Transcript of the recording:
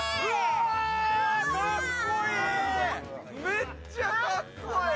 めっちゃかっこええ！